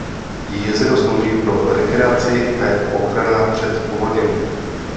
Jezero slouží pro rekreaci a jako ochrana před povodněmi.